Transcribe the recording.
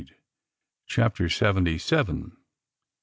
CHAPTER SEVENTY SEVEN.